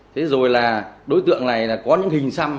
thế rồi là đối tượng này là có những hình xăm